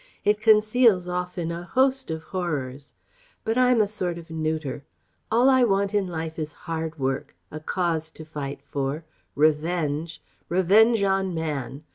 It conceals often a host of horrors ... But I'm a sort of neuter. All I want in life is hard work ... a cause to fight for.... Revenge ... revenge on Man.